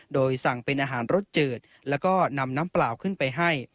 โดยสั่งเป็นอาหารรสจืดแล้วก็นำน้ำเปล่าขึ้นไปให้